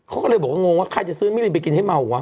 เขาก็เลยบอกว่างงว่าใครจะซื้อมิลินไปกินให้เมาวะ